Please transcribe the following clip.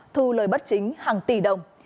thu lời bắt chính hàng tỷ đồng